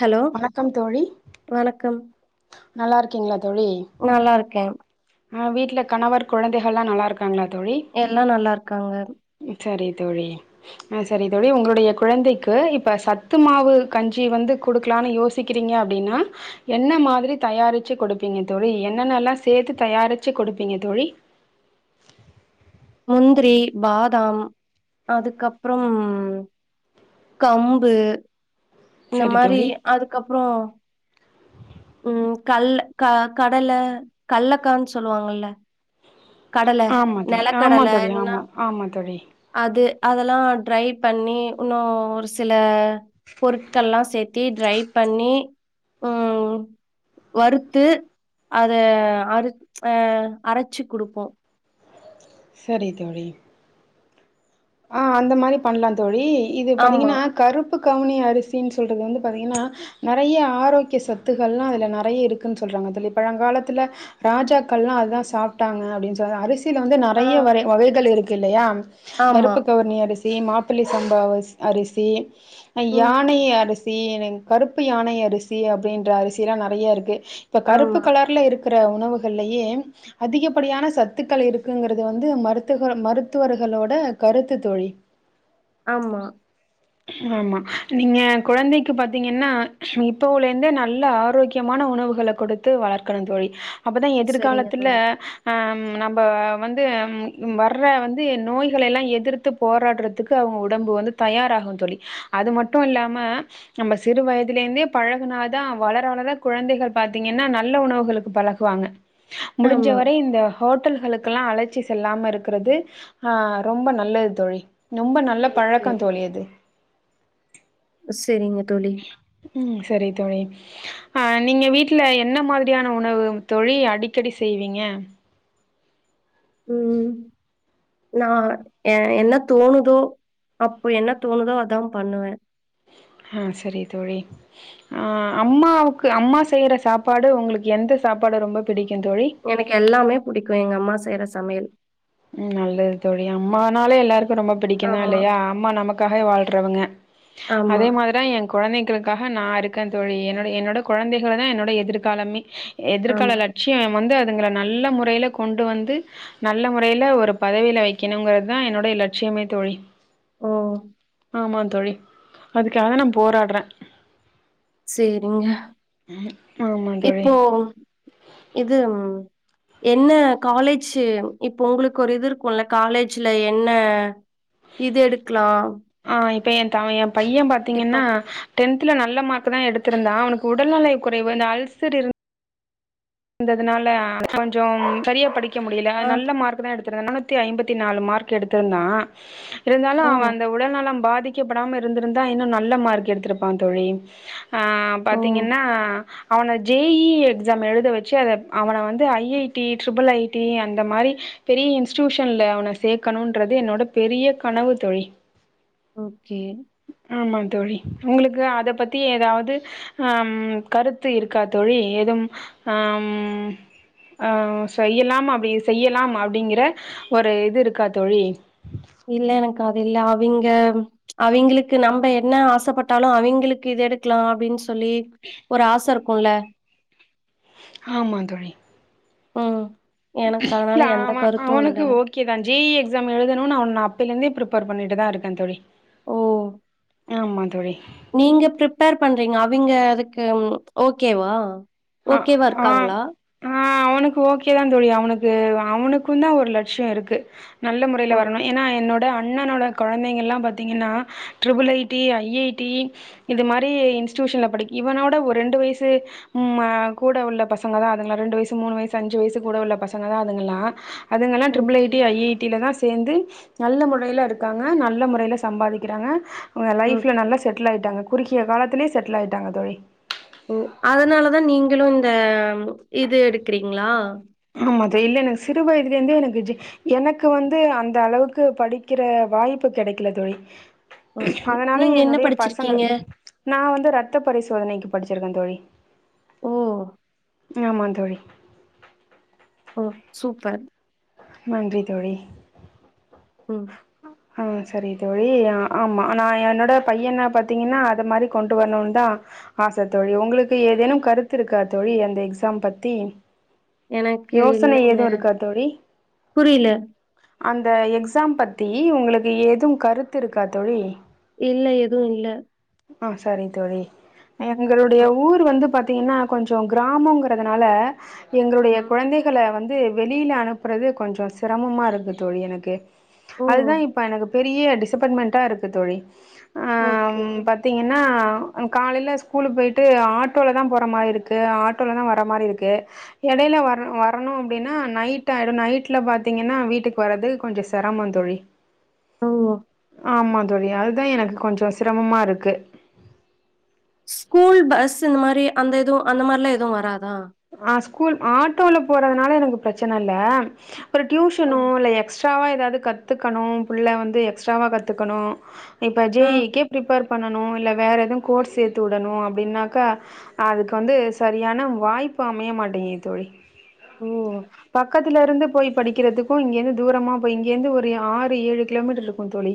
Hello வணக்கம் தோழி வணக்கம் நல்லாருக்கிங்ளா தொழி நல்லாருக்கே ஆ வீட்ல கணவர் குழந்தைகள்லா நல்லாருக்காங்ளா தோழி எல்லா நல்லாருக்காங்க சரி தோழி சரி தோழி உங்களுடைய குழந்தைக்கு இப்ப சத்து மாவு கஞ்சி வந்து குடுக்கலான் யோ சிருக்கிறீங்க அப்டின்னா என்ன மாரி தயாரிச்சு குடுப்பீங்க தோழி என்னென்னெல்லா சேத்து தயாரிச்சு குடுப்பீங்க தோழி முந்திரி பாதாம் அதுக்கப்றம் கம்பு இந்த சரி மாரி தோழி அதுக்கப்ற ம் கல் கடல கல்லக்கான்னு சொல்லுவாங்கல்ல கடல ஆமா தோழி ஆமா நிலக்கடல தோழி என்ன ஆமா ஆமா தோழி அது அதெல்லா ட்ரை பண்ணி இன்னு ஒரு சில பொருட்கள்ல்லா சேத் தி ட்ரை பண்ணி ம் வறுத்து அத அறு ஆ அரச்சு குடுப்போ சரி தோழி ஆ அந்த மாரி பண்லா தோழி இது ஆமா பாத்தீங்கன்னா கருப் புக் கவனி அரிசின் சொல்றது வந்து பாத்தீங்கனா நெறய ஆரோக்கிய சத்துகள்ல்லா அதுல நெறய இருக்குன் சொல்றாங்க சொல்லி பழங்காலத்துல ராஜாக்கள்ல்லா அதுதா சாப்ட்டாங்க அப்டின் சொன்ன அரிசி சில வந்து ஆ நெறய வகைகள் இருக்கு இல்லையா ஆமா கருப்பு கவணி அரிசி சி மாப்பிள்ளை சம்பா வ அரிசி ம் யானை அரிசி கருப்பு யானை அரிசி அப்டின்ற அரிசில்லா நெறய இருக்கு இப்ப கருப்பு ஆமா கலர்ல இருக்கு இருக்கிற உணவுகள்லயே அதிகப்படியான சத்துக்கள் இருக்குங்கறது வந்து மருத்து மருத்துவர்களோட கருத்து தோழி ஆமா ஆமா நீங்க குழந்தைக்கு பாத்தீங்கன்னா இப்பவ்ல இருந்தே நல்ல ஆரோக்கியமான உணவுகள குடுத்து வளர்க்கணு தோழி அப்பதான் சரிங்க எதிர்காலத்துல தோழி. ஆ நம்ம வந்து வர்ற வந்து நோய்களல்லா எதிர்த்து போராடுறதுக்கு அவங்க உடம்பு வந்து தயாராகு தோழி அது மட்டு இல்லாம நம்ம சிறு வயதுல இருந்தே பழகுனாதா வளர வளர குழந்தைகள் பாத்தீங்கன்னா நல்ல உணவுகளுக்கு பழகு வாங்க முடிஞ்ச ஆமா. வரை இந்த ஹோட்டல்களுக்கெல்லாஅழச்சி செல்லாம இருக்கிறது ஆ ரொம்ப நல்லது தோழி ரொம்ப நல்ல ஓகே. பழக்க தோழியது சரிங்க தோழி ம் சரி தோழி அ நீங்க வீட்ல என்ன மாதிரியான உணவு தோழி அடிக்கடி செய்வீங்க ம் நான் என்ன தோணுதோ அப்போ என்ன தோணுதோ அதா பண்ணுவ ஆ சரி தோழி ஆ அம்மாவுக்கு அம்மா செய்யற சாப்பாடு உங்களுக்கு எந்த சாப்பாடு ரொம்ப பிடிக்கும் தோழி எனக்கு எல்லாமே புடிக்கு எங்க அம்மா செய்யற சமையல் ம் நல்லது தோழி அம்மனாலே எல்லாருக்கு ரொம்ப பிடிக்கு தான ஆமா, இல்லையா அம்மா நமக்காகவே வாழ்றவங்க ஆமா, அதே மாரிதா என் குழந்தைகளுக்காக நா இருக்க தோழி என்னோட என்னோட குழந்தைகள் தா என்னோட எதிர்காலமே எதிர்கால ஆமா. லட்சிய வந்து அதுங்கள நல்ல முறையில கொண்டு வந்து நல்ல முறை யில ஒரு பதவில வைக்கணுங்கிறதுதா என்னுடைய லட்சியமே தோழி ஓ ஆமா தோழி அதுக்காக நா போராட்ற சேரிங்க ஆமா தோழி இப்போ இது என்ன காலேஜு இப்ப ஒங்களுக்கு ஒரு இது இருக்குல்ல காலேஜுல என்ன இது எடுக்லா ஆ இப்ப எ த எ பையே டிப்பா பாத்தீங்கன்னா டென்த்ல நல்ல மார்க் தா எடுத்திருந்தா அவனுக்கு உடல்நிலை குறைவு இந்த அல்சர் இருந் ததுனால கொஞ்சம் சரியா படிக்க முடியல ஆ. நல்ல மார்க்குதா எடுத்திருந்தா ஆனா த்தி ஐம்பத்தி நாலு மார்க் எடுத்திருந்தா இருந்தாலு ஓ! அவெ அந்த உடல்நலம் பாதிக்கப்படாம இருந்திருந்தா இன்னு நல்ல மார்க் எடுத்திருப்பா தோழி அ ஓ! பாத்தீங்கன்னா அவன ஜே இ எக்ஸாம் எழுத வ ச்சு அத அவன வந்து I I T triple I T அந்த மாரி பெரிய இன்ஸ்டூஷன்ல அவன சேக்கணுன்றது என்னோட பெரிய கனவு தோழி ஓகே ஆமாந் தோழி ஒங்களுக்கு அத பத்தி ஏதாவது அ ம் கருத்து இருக்கா தோழி ஏதும் அ ம் ஆ செய்யலாம் அப்டி செய்யலாம் அப்டிங்கிற ஒரு இது இருக்கா தோழி இல்ல எனக்கு அது இல்ல அவிங்க அவிங்களுக்கு நம்ப என்ன ஆசப்பட்டாலு அவிங்களுக்கு இது எடுக்கலா அப்டின் சொல்லி ஒரு ஆச இருக்குல்ல ஆமாந் தோழி ம் எனக்கு அதனால இல்ல எந்த அவெ கருத்து இல்ல அவனுக்கு ஓ கே தா ஜே இ எக்ஸாம் எழுதணூனு அவன அப்பேலிந்தே ப்ரிப்பர் பண்ணிட்டுதா இருக்கே தோழி ஓ ஆமாந் தோழி நீங்க ப்ரிப்பேர் பண்றீங்க அவிங்க அதுக்கு ஓகேவா ஆ ஓகேவா ஆ இருக்காங்களா ஆ அவனுக்கு ஓகேதாந் தோழி அவனுக்கு அவனுக்குந் தா ஒரு லட்சியோ இருக்கு நல்ல முறைல ஓ வரணு ஏனா என்னோட அண்ணனோட கொழந்தைங்கள்லா பாத்திங்கன்னா triple I T I I T இது மாரி இன்ஸ்ட்டியூஷன்ல படிக்கு இவனோட ஒரு ரெண்டு வயசு ம கூட உள்ள பசங்க தா அதுங்க ரெண்டு வயசு மூணு வயசு அஞ்சு வயசு கூட உள்ள பசங்க தா அதுங்கலா அதுங்கல்லா triple I okay T I I டில தா சேந்து நல்ல முறைல இருக்காங்க நல்ல முறைல சம்பாதிக்கிறாங்க அவங்க லைஃப்ல ஓகே நல்லா செட்டில் ஆகிட்டாங்க குறுக்கிய காலத்லயே செட்டில் ஆகிட்டாங்க தோழி ஓ அதுனாலதா நீங்களு இந்த இது எடுக்றீங்ளா ஆமாது இல்ல எனக்கு சிறு வயதிலே இருந்தே எனக்கு ஜி எனக்கு வந்து அந்த அளவுக்கு படிக்கிற வாய்ப்பு கிடைக்கல தோழி ஓகே அதுனால நீங்க என்ன என்னுடைய பசங்கள படிச்சிருக்கீங்க நா வந்து ரத்த பரிசோதனைக்கு படுச்சிருக்கே தோழி ஓ ஆமாந் தோழி ஓ சூப்பர் நன்றி தோழி ம் ஆ சரி தோழி ஆமா நா என்னோட பையன பார்த்தீங்கன்னா அது மாரி கொண்டு வரணுன் தா ஆச தோழி ஒங்களுக்கு ஏதேனும் கருத்து இருக்கா தோழி அந்த எக்ஸாம் பத்தி எனக்கு யோசன ஏது இல்லைங்க இருக்கா தோழி புரியல அந்த எக்ஸாம் பத்தி உங்களுக்கு ஏது கருத்து இருக்கா தோழி இல்ல எது இல்ல ஆ சரி தோழி எங்களுடைய ம் ஊர் வந்து பாத்தீங்கன்னா கொஞ்சோ கிராமோங்கிறதுனால எங்களுடைய ம் குழந்தைக் கள வந்து வெளியில அனுப்புறது கொஞ்சோ சிரமமா இருக்கு தோழி எனக்கு ஓ! அதுதா இப்ப எனக்கு பெரிய டிசப்பன்ட்மெண்ட்டா இருக்கு தோழி அ ஓகே பார்த்திங்கன்னா காலையில ஸ்கூலுக்கு போயிட்டு ஆட்டோல தா போற மாரி இருக்கு ஆட்டோல தா வர்ற மாரி இருக்கு எடையில வர வரணு அப்டின்னா நைட் ஆயிடு நைட்ல பாத்தீங்கன்னா வீட்டுக்கு வரது கொஞ்சோ சிரமோ தோழி ஓ! ஆமா தோழி அதுதா எனக்கு கொஞ்சோ சிரமமா இரு க்கு ஸ்கூல் பஸ் இந்த மாரி அந்த எது அந்த மாரிலாம் எது வராதா ஆ ஸ்கூல் ஆட்டோல போறதுனால எனக்கு பிரச்சன இல்ல ஒரு ஓ! டியூஷனோ இல்ல எக்ஸ்ட்ராவா எதாவது கத்துக்கணு புள்ள வந்து எக்ஸ்ட்ராவா கத்துக்கணு இப்போ ஜே ஆ. இ இ க்கே ப்ரிப்பர் பண்ணணு இல்ல வேறு எது கோர்ஸ் சேர்த்து விடணு அப்படின்னாக்கா அதுக்கு வந்து சரியான வாய்ப்பு அமைய மாட்டேங்கது தோழி ஓ பக்கத்துல இருந்து போய் படிக்கிறதுக்கு இங்கேருந்து தூரமா போய் இங்கேயிருந்து ஒரு ஆறு ஏழு கிலோமீட்டர் இருக்கு தோழி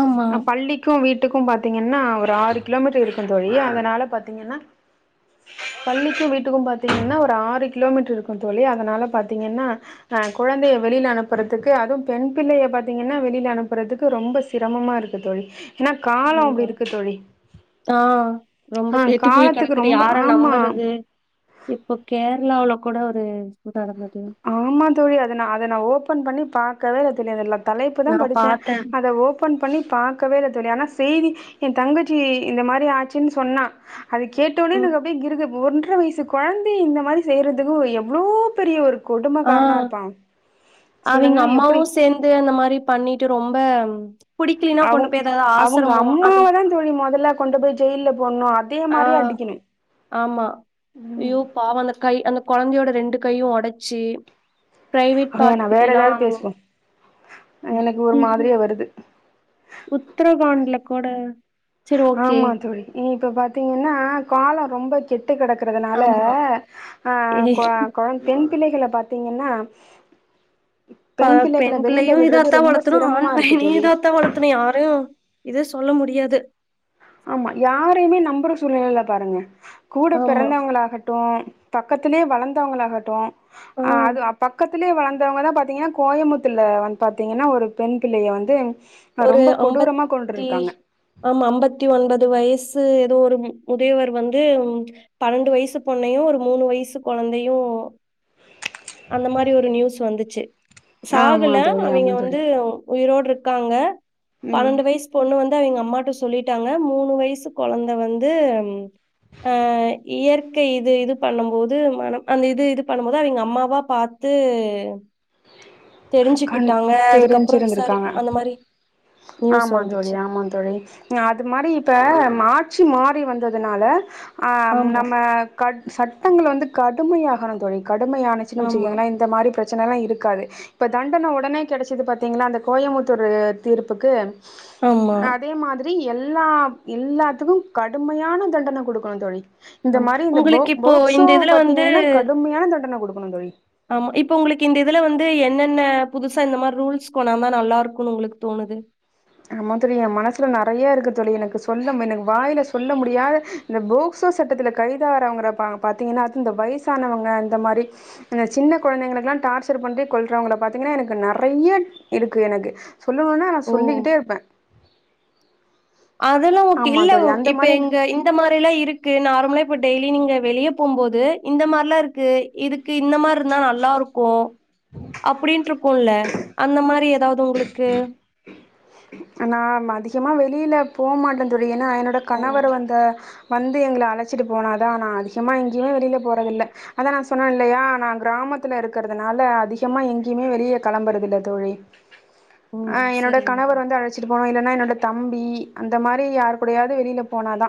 ஆமா. அ பள்ளி க்கு வீட்டுக்கும் பாத்தீங்கன்னா ஒரு ஆறு கிலோமீட்டர் இருக்கு தோழி அதனால பாத்தீங்கன்னா பள்ளிக்கு வீட்டுக்கும் பாத்தீங்கன்னா ஒரு ஆறு கிலோமீட்டர் இருக்கு தோழி அதனால பாத்தீங்கன்னா அ குழந்தைய வெளியில அனுப்புறதுக்கு அதுவு பெண் பிள்ளைய பாத்தீங்கன்னா வெளியில அனுப்புறதுக்கு ரொம்ப சிரமமா இருக்கு தோழி ஏன்னா காலோ அப்டி ஆமா. இருக்கு தோழி ஆ ரொம்ப ஆ கெட்டு போய் காலத்துக்கு கிடக்குது ரொம்ப யார ஆமா நம்பறது இப்போ கேரளாவுல கூட ஒரு இது நடந்தது ஆமா தோழி அத நா அத நா ஓபன் பண்ணி பாக்கவே இல்ல தோழி அதெல்லா தலைப்பு தா நான் படிச்சே பாத்தேன். அத ஓ பன் பண்ணி பாக்கவே இல்ல தோழி ஆனா செய்தி எ தங்கச்சி இந்த மாரி ஆச்சுன்னு சொன்னா அது கேட்டோவுட்னே ம். எனக்கு அப்டே கிருகு ஒன்ற வயசு குழந்தைய இந்த மாரி செய்யறதுக்கு ஓ எவ்ளோ பெரிய ஒரு ஆ கொடும்மகாரனா இருப்பா சொல்லுங்க எப்படி இது அந்த மாரி பண்ணிட்டு ரொம்ப புடிக்கலினா கொண்டு அவங் போய் எதாவது அவங்க ஆசரமோ அந்த அம்மாவ தா தோழி மொதல்லா கொண்டு போய் ஜெயில்ல போடுனு ஆ ஆமா அய்யோ பாவோ இல்ல கை அந்த குழந்தையோட ரெண்டு கையு ஒடைச்சி பிரைவேட் வேணா வேற பார்ட்கிட்டேல்லா ஏதாவது பேசுவோ எனக்கு ஒரு மாதிரியா வருது உத்தரகாண்ட்ல கூட சரி ஓகே ஆமா தோழி நீ இப்ப பாத்தீங்கன்னா காலோ ரொம்ப கெட் டு கெடக்கறதுனால ஆமா ஆ கொ கொழந் பெண் பிள்ளைகளை பாத்தீங்கன்னா இப்ப பிள்ளைகள பெண் வெளில பிள்ளையு விடுறது இதாத்தா ரொம்ப வளத்தணு ஆண் சிரமமா இருக்கு பையனையு தோழி இதாத்தா வளத் அத்தனை யாரையு இது சொல்ல முடியாது ஆமா யாரையுமே நம்புற சூழ்நிலை இல்ல பாருங்க கூட ஆமா பிறந்தவங்களாகட்டு பக்கத்திலே வளந்தவங்களாகட்டு ஆ அ அது பக்கத்திலே வளந் தோவங்கதா பாத்தீங்கன்னா கோயம்புத்தர்ல வந்து பாத்தீங்கன்னா ஒரு பெண் பிள்ளய வந்து ஒரு ரொம்ப கொடூரமா அம்பத்தி கொண்ருக்காங்க ஆமா அம்பத்திஒன்பது வயசு ஏதோ ஒரு முதியவர் வந்து பன்னெண்டு வயசு பொண்ணையு, ஒரு மூணு வயசு கொழந்தையு அந்த மாரி ஒரு நியூஸ் வந்துச்சு, ஆமா சாகல தோழி ஆமா அவிங்க தோழி வந்து உயிரோடு இருக்காங்க ம் பன்னெண்டு வயசு பொண்ணு வந்து அவங்க அம்மாட்ட சொல்லிட்டாங்க மூணு வயசு கொழந்த வந்து அ இயற் கை இது இது பண்ணும்போது மனம் அந்த இது இது பண்ணும் போது அவங்க அம்மாவா பாத்து கண் தெரிஞ்சுக்கிட்டாங்க அதுக்கப்பறோ விசாரி தெரிஞ்சிருந்திருக்காங்க அந்த மாரி நியூஸ் ஆமா தோழி, வந்துச்சு. ஆமா தோழி. அது மாரி இப்ப ஆட்சி மாறி வந்ததுனால ஆ ஆமா, நம்ம கட் சட்டங்கள் வந்து கடுமையாகனு தோழி கடுமையானச்சுன்னு ஆமா, வச்சக்கீங்களா இந் இந்த மாரி பிரச்சன எல்லா இருக்காது இப்ப தண்டன உடனே கெடச்சிது பாத்திங்கன்னா அந்த கோயம்புத்தூர் தீர்ப்புக்கு ஆமா, அதே மாதி ரி எல்லா எல்லாத்துக்கு கடுமையான தண்டன குடுக்கணு தோழி இந்த ஆமா. மாரி இந்த போ உங்களுக்கு இப்போ போக்ஸோ இந்த இதுல வந்து பாத்திங்கனா கடுமையான தண்டன குடுக்கணு தோழி ஆமா, இப்ப உங்களுக்கு இந்த இதுல வந்து என்னென்ன புதுசா இந்த மாரி ரூல்ஸ் கொண்டுவந்தா நல்லா இருக்குன்னு உங்களுக்கு தோணுது ஆமா தோழி எ மனசுல நறைய இருக்கு தோழி, எனக்கு சொல்ல எனக்கு வாயில சொல்ல முடியாத இந்த போக்சோ சட்டத்தில கைதாரவங்கள பா பாத்திங்கனா இந்த வயசானவங்க இந்த மாரி அந்த சின்ன கொழந்தைங்களுக்ல்லா டார்ச்சர் பண்ணி கொல்றவங்கள பாத்தீங்கன்னா எனக்கு நறைய இருக்கு எனக்கு சொல்லனுனா நா ஓ! சொல்லிக்கிட்டே இருப்ப அதெல்லா ஓகே, ஆமா இல்ல தோழி அந்த இப்ப மாரி எங்க இந் த மாரிலா இருக்கு, நார்மலா இப்ப டெய்லி நீங்க வெளியே போம்போது இந்த மாரிலா இருக்கு இதுக்கு இந்த மாரி இருந்தா நல்லா இருக்கு, அப்டினுட்ருக்குல்ல அந்த மாரி ஏதாவது உங்களுக்கு நா அதிகமா வெளியில போமாட்ட தோழி, ஏன்னா என்னோட ஓ கணவர் வந்த வந்து எங்கள அழைச்சிட்டு போனாதா நா அதிகமா எங்கேயுமே வெளில ஓ போறதில்ல அதா நா சொன்ன இல்லையா நா கிராமத்தில இருக்கறதுனால அதிகமா எங்கேயுமே வெளியே களம்புறதில்ல தோழி. ஓ அ என்னோட சரிங்க கணவர் தோழி வந்து அழைச் சிட்டு போனு, இல்லன்னா என்னோட தம்பி அந்த மாரி யாரு கூடயாது வெளில போனாதா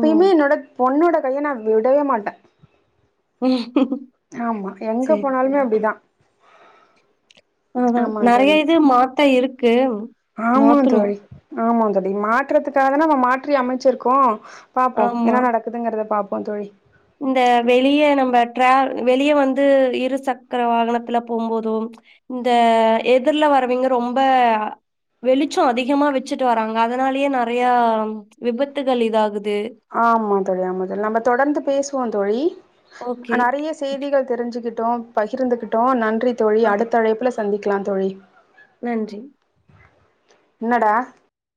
ஓ என்னோட பொண்ணோட கைய நா விடவே மாட்ட ஹ ஆமா எங்க போனாலுமே அப்டிதா ம்ஹூம் ஆமா நறைய தோழி இது மாத்த இருக்கு ஆமா மாத்தணு தோழி, ஆமா தோழி, மாற்றதுக்காகதான நம்ம மாற்றி அமச்சிருக்கோ பாப்போ ஆமா என்னா நடக்குதுங்கறத பாப்போ தோழி இந்த வெளிய நம்ப ட்ர வெளிய வந்து இரு சக்கர வாகனத்துல போம்போதும் இந்த எதிர்ல வரவிங்க ரொம்ப வெளிச்சோ அதிகமா வச்சுட்டு வராங்க அதனாலயே நறைய விபத்துகள் இதாகுது ஆமா தோழி, ஆமா தோழி, நம்ப தொடர்ந்து பேசுவோ தோழி ஓகே நறைய செய்திகள் தெரிஞ்சுக்கிட்டோ பகிர்ந்துகிட்டோ, நன்றி தோழி, ஆமா அடுத்த அழைப்புல சந்திக்கலா தோழி நன்றி என்னடா